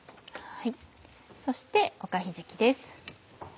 そしておかひじきです。